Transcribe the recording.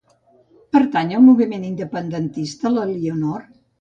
Pertany al moviment independentista l'Elionor?